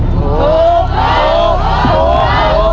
ถูก